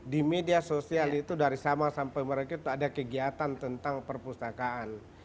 di media sosial itu dari sama sampai mereka itu ada kegiatan tentang perpustakaan